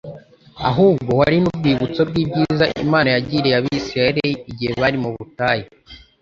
ahubwo wari n'urwibutso rw'ibyiza Imana yagiriye abisiraeli igihe bari mu butayi.